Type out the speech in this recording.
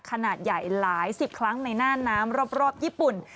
ขนาดใหญ่หลายสิบครั้งในหน้าน้ำรอบญี่ปุ่น